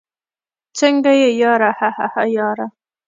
څنګه يې ياره؟ هههه ياره